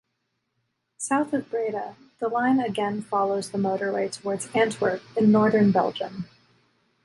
South of Breda, the line again follows the motorway towards Antwerp in northern Belgium.